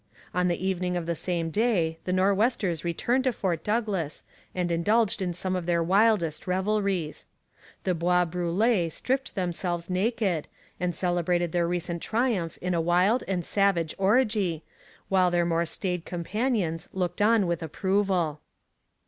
On the evening of the same day the Nor'westers returned to Fort Douglas and indulged in some of their wildest revelries. The Bois Brûlés stripped themselves naked and celebrated their recent triumph in a wild and savage orgy, while their more staid companions looked on with approval.